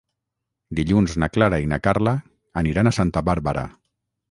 Dilluns na Clara i na Carla aniran a Santa Bàrbara.